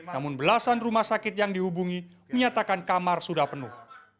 namun belasan rumah sakit yang dihubungi menyatakan kamar sudah penuh